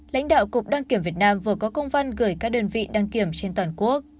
lãnh đạo cục đăng kiểm việt nam vừa có công văn gửi các đơn vị đăng kiểm trên toàn quốc